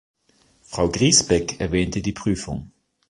Frau Griesbeck erwähnte die Prüfung.